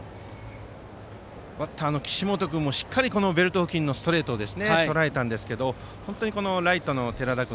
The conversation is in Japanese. バッターの岸本君もしっかりベルト付近のストレートをとらえたんですけどライトの寺田君